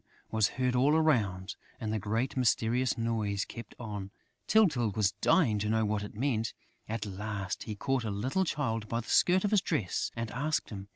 was heard all around; and the great mysterious noise kept on. Tyltyl was dying to know what it meant. At last, he caught a little Child by the skirt of his dress and asked him.